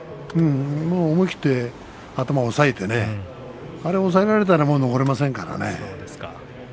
思い切って頭を押さえてあれを押さえられたら逃れられませんからね。